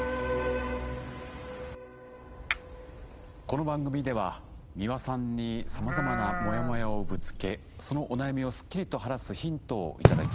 この番組では美輪さんにさまざまなモヤモヤをぶつけそのお悩みをすっきりと晴らすヒントを頂きます。